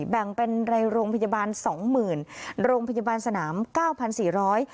แบ่งเป็นในโรงพยาบาล๒๐๐๐๐รายโรงพยาบาลสนาม๙๔๐๐ราย